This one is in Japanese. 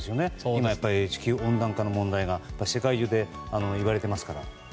今、地球温暖化の問題が世界中でいわれていますから。